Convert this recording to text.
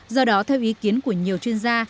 do đó theo ý kiến của nhiều chuyên gia